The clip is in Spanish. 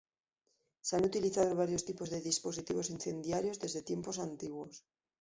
Se han utilizado varios tipos de dispositivos incendiarios desde tiempos antiguos.